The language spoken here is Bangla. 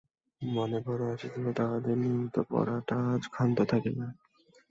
মনে বড়ো আশা ছিল, তাহাদের নিয়মিত পড়াটা আজ ক্ষান্ত থাকিবে না।